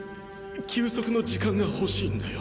休息の時間が欲しいんだよ。